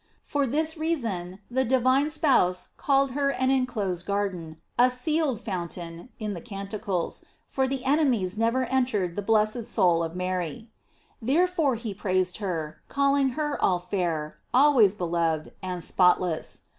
For this reason the divine spouse called her an inclosed garden, a sealed fountain (Cant.) for the enemies never en tered the blessed soul of Mary. Therefore he praised her, calling her all fair, always beloved, and spotless.